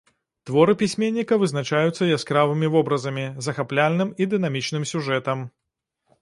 Творы пісьменніка вызначаюцца яскравымі вобразамі, захапляльным і дынамічным сюжэтам.